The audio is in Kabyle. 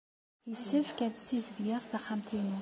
Yessefk ad ssizedgeɣ taxxamt-inu.